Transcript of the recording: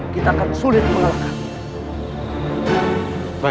kita akan sulit mengalahkannya